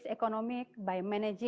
kecuali lima juta dan lebih